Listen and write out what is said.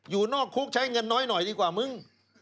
อยู่นอกคุกใช้เงินน้อยหน่อยดีกว่ามึง